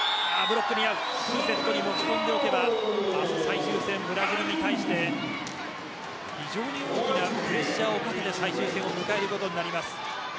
フルセットに持ち込んでおけば明日、最終戦ブラジルに対して非常に大きなプレッシャーをかけて最終戦を迎えることになります。